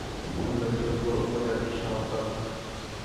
উল্লেখযোগ্য উপজাতি সাঁওতাল।